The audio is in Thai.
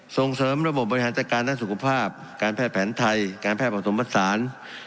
ส่งเสริมระบบบบริหารจัดการด้านสุขภาพการแพทย์แผนไทยการแพทย์ผสมผสาน